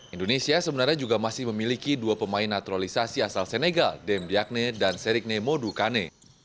indonesia sebenarnya juga masih memiliki dua pemain naturalisasi asal senegal dembyakne dan seriknemo dukane